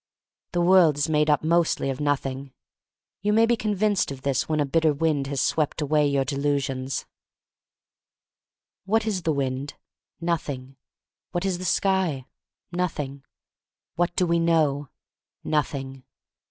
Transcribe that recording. The world is made up mostly of noth ing. You may be convinced of this when a bitter wind has swept away your delusions. 48 THE STORY OF MARY MAC LANE 49 What is the wind? Nothing. What is the sky? Nothing. What do we know? Nothing.